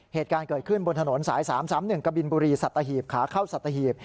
เหตุการณ์เกิดขึ้นบนถนนสาย๓๓๑กบินบุรีสัตธาหีบ